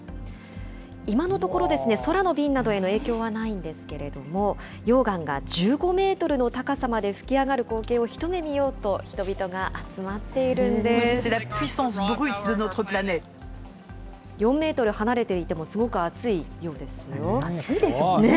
今のところですね、空の便などへの影響はないんですけれども、溶岩が１５メートルの高さまで噴き上がる光景を一目見ようと、人４メートル離れていてもすご熱いでしょうね。